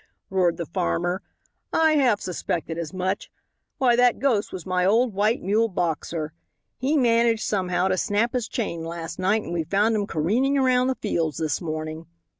roared the farmer; "I half suspected as much. Why, that ghost was my old white mule Boxer. He managed somehow to snap his chain last night and we found him careening around the fields this morning.